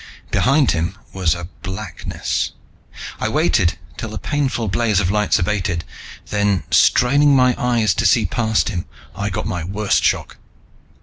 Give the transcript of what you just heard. Behind him was a blackness. I waited till the painful blaze of lights abated, then, straining my eyes to see past him, I got my worst shock.